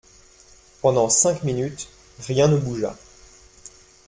Pendant cinq minutes, rien ne bougea.